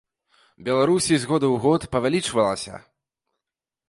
Беларусі з году ў год павялічвалася!